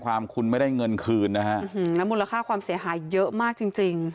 ความคุณไม่ได้เงินคืนนะฮะแล้วมูลค่าความเสียหายเยอะมากจริงจริง